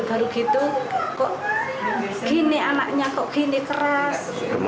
baru gitu kok gini anaknya kok gini keras